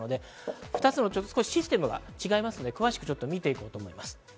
２つのシステムが違いますので、詳しくみていきます。